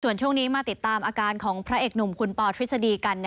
ส่วนช่วงนี้มาติดตามอาการของพระเอกหนุ่มคุณปอทฤษฎีกัน